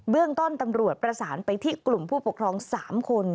เรื่องต้นตำรวจประสานไปที่กลุ่มผู้ปกครอง๓คน